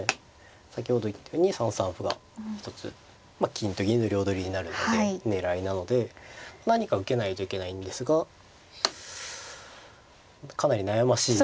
先ほど言ったように３三歩が一つ金と銀の両取りになるので狙いなので何か受けないといけないんですがかなり悩ましいですね。